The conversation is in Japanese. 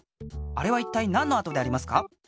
あれはいったいなんのあとでありますか？